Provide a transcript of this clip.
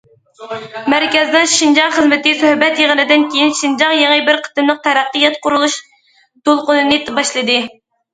مەركەزنىڭ شىنجاڭ خىزمىتى سۆھبەت يىغىنىدىن كېيىن، شىنجاڭ يېڭى بىر قېتىملىق تەرەققىيات، قۇرۇلۇش دولقۇنىنى باشلىدى.